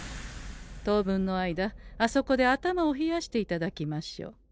当分の間あそこで頭を冷やしていただきましょう。